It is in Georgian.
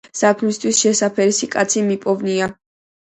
საქმისთვის შესაფერისი კაცი მიპოვია!